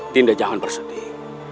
dinda jangan bersedih